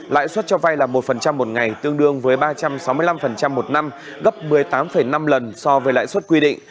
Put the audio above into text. lãi suất cho vay là một một ngày tương đương với ba trăm sáu mươi năm một năm gấp một mươi tám năm lần so với lãi suất quy định